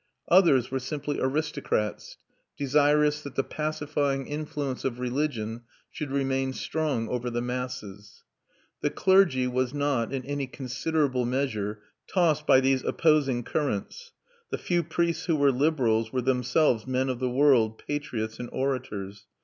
Others were simply aristocrats, desirous that the pacifying influence of religion should remain strong over the masses. The clergy was not, in any considerable measure, tossed by these opposing currents; the few priests who were liberals were themselves men of the world, patriots, and orators.